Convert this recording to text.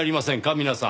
皆さん。